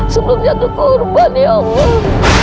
sebelum jatuh korban ya allah